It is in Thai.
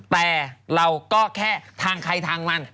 แต่เราก็แค่ทางใครทางมัน